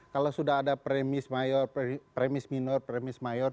kalau sudah ada premis mayor premis minor premis mayor